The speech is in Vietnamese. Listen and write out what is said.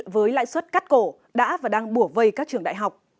với lãi suất cắt cổ đã và đang bùa vây các trường đại học